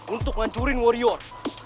untuk ngancurin warrior